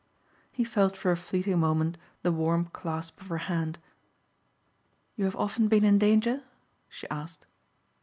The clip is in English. He felt for a fleeting moment the warm clasp of her hand. "You have often been in danger?" she asked.